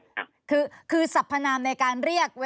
พอเข้าใจแล้วคือคือสัพพนามในการเรียก